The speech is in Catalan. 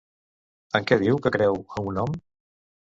En què diu que creu un hom?